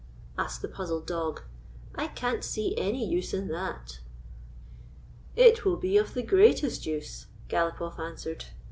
asked the puzzled dog. " I can't see any use in that." " It will be of the greatest use," Galopoff an swered.